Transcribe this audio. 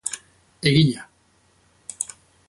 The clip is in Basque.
Egina!